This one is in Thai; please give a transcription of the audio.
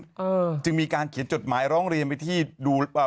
เออจึงมีการเขียนจดหมายร้องเรียนไปที่ดูอ่า